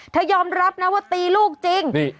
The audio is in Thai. ยอมรับนะว่าตีลูกจริง